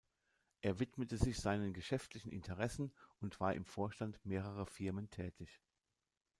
Er widmete sich seinen geschäftlichen Interessen und war im Vorstand mehrerer Firmen tätig.